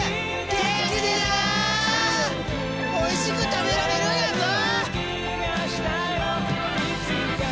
おいしく食べられるんやぞ！